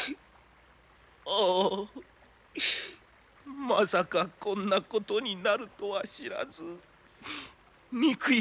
あまさかこんなことになるとは知らず憎い